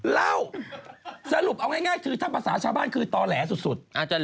เล่าสรุปเอาง่ายคือถ้าภาษาชาวบ้านคือต่อแหลสุด